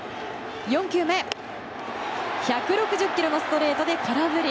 ４球目、１６０キロのストレートで空振り。